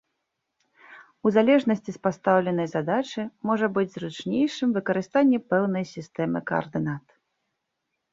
У залежнасці з пастаўленай задачы, можа быць зручнейшым выкарыстанне пэўнай сістэмы каардынат.